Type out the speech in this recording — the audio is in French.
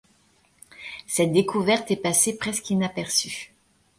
Cette découverte est passé presque inaperçue.